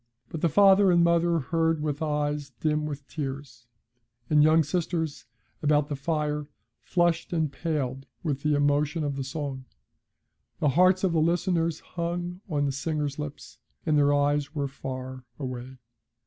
But the father and mother heard with eyes dim with tears; the young sisters about the fire flushed and paled with the emotion of the song; the hearts of the listeners hung on the singer's lips, and their eyes were far away.